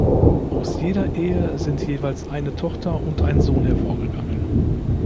Aus jeder Ehe sind jeweils eine Tochter und ein Sohn hervorgegangen.